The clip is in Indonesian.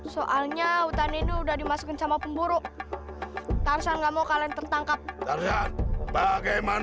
sampai jumpa di video selanjutnya